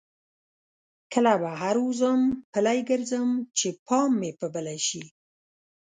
کله بهر وځم پلی ګرځم چې پام مې په بله شي.